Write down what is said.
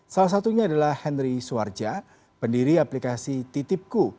salah satunya adalah henry suwarja pendiri aplikasi titipku